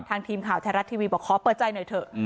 ทีมข่าวไทยรัฐทีวีบอกขอเปิดใจหน่อยเถอะ